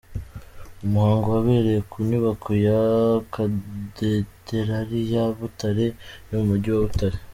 Umuhango wabereye ku nyubako ya katederari ya Butare iri mu mujyi wa Butare.